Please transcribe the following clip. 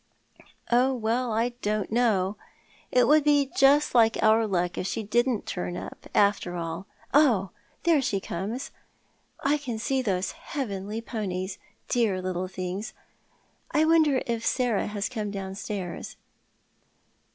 " Oh, well, I don't know. It would be just like our luck if she didn't turn up, after all. Oh, there she comes. I can see those heavenly ponies. Dear little things. I wonder if Sarah has come downstairs